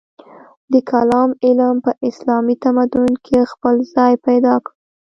د کلام علم په اسلامي تمدن کې خپل ځای پیدا کړ.